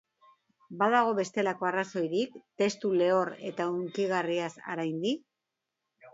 Badago bestelako arrazoirik, testu lehor eta hunkigarriaz haraindi?